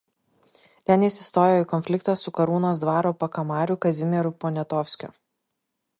Ten jis įstojo į konfliktą su Karūnos dvaro pakamariu Kazimieru Poniatovskiu.